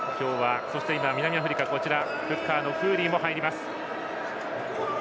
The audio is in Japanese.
南アフリカフッカーのフーリーも入ります。